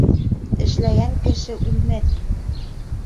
Эшләгән кеше үлмәҫ.